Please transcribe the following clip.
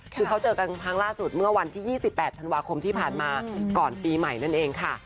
คือเขาเจอกันครั้งล่าสุดเมื่อวันที่๒๘ธันวาคมที่ผ่านมาก่อนปีใหม่นั่นเองค่ะ